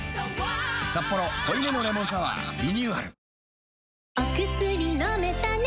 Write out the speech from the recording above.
「サッポロ濃いめのレモンサワー」リニューアル